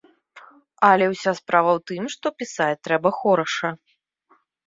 Але ўся справа ў тым, што пісаць трэба хораша.